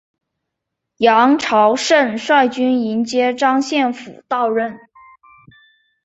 杨朝晟率军迎接张献甫到任。